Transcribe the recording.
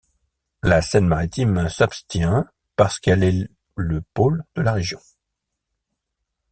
La Seine-Maritime s'abstient parce qu'elle est le pôle de la région.